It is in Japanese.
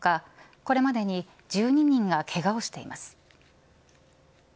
これまでに１２人がけがをしています。